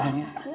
ya allah jess